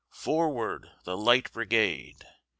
"Forward, the Light Brigade!"